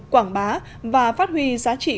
quảng bá và phát huy giá trị